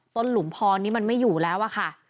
หลุมพรนี้มันไม่อยู่แล้วอะค่ะ